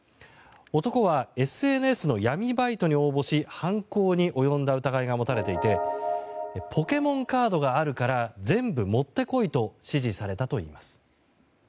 男はＳＮＳの闇バイトに応募し犯行に及んだ疑いが持たれていてポケモンカードがあるから全部持って来いと指示されたといいます。